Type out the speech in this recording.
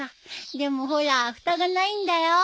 でもほらふたがないんだよ。